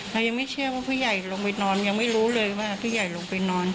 เรายังไม่เชื่อว่าผู้ใหญ่ลงไปนอนยังไม่รู้เลยว่าผู้ใหญ่ลงไปนอน